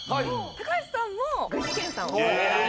高橋さんも具志堅さんを。